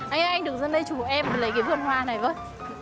anh ơi anh đừng ra đây chụp em lấy cái vườn hoa này thôi